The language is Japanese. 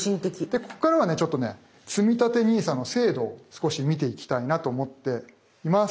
でここからはちょっとねつみたてＮＩＳＡの制度を少し見ていきたいなと思っています。